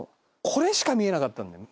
これしか見えなかったんだよ